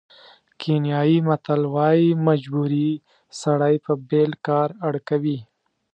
کینیايي متل وایي مجبوري سړی په بېل کار اړ کوي.